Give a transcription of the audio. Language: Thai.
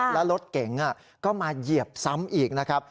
แล้วรถเก๋งก็มาเหยียบซ้ำอีกนะครับ